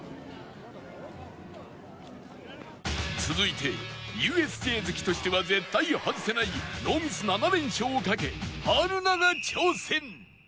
続いて ＵＳＪ 好きとしては絶対外せないノーミス７連勝をかけ春菜が挑戦